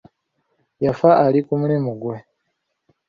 Yafa ali ku mulimu gwe.